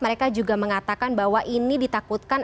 mereka juga mengatakan bahwa ini ditakutkan